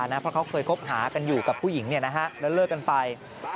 เพราะเขาเคยคบหากันอยู่กับผู้หญิงแล้วเลิกกันไป